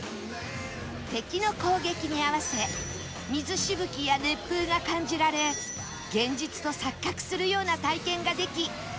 敵の攻撃に合わせ水しぶきや熱風が感じられ現実と錯覚するような体験ができ